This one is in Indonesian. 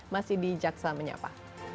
masih di jaksa menyapa